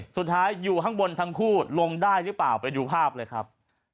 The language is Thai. สุดท้ายอยู่ข้างบนทั้งคู่ลงได้หรือเปล่าไปดูภาพเลยครับ